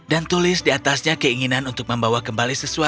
dan tulis di atasnya keinginan untuk membawa karpetnya ke rumah